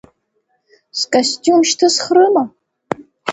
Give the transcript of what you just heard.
Скостиум шьҭысхрыма?